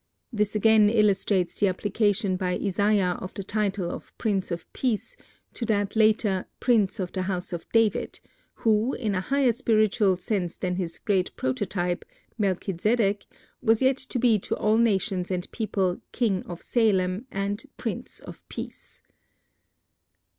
This again illustrates the application by Isaiah of the title of "Prince of Peace" to that later "Prince of the House of David," who, in a higher spiritual sense than his great prototype, Melchizedek, was yet to be to all nations and people "King of Salem" and "Prince of Peace."